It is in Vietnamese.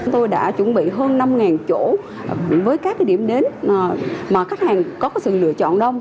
tôi đã chuẩn bị hơn năm chỗ với các điểm đến mà khách hàng có sự lựa chọn đông